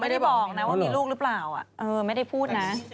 ไม่ได้บอกนะว่ามีลูกหรือเปล่าไม่ได้พูดนะ